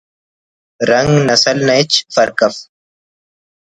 رنگ نسل نا ہچ فرق اف